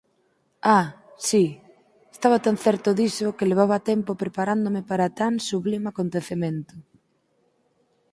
Ah, si, estaba tan certo diso que levaba tempo preparándome para tan sublime acontecemento.